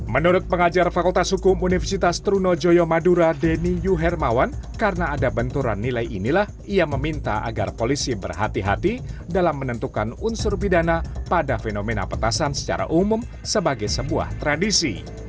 menurut pengajar fakultas hukum universitas trunojoyo madura denny yuhermawan karena ada benturan nilai inilah ia meminta agar polisi berhati hati dalam menentukan unsur pidana pada fenomena petasan secara umum sebagai sebuah tradisi